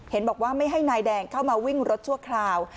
เห็นบอกว่าไม่ให้นายแดงเข้ามาวิ่งรถชั่วคราว